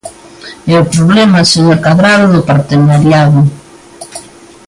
E o problema, señor Cadrado, do partenariado.